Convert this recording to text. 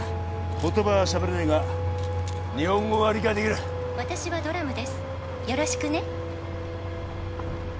言葉はしゃべれねえが日本語が理解できる「私はドラムですよろしくね」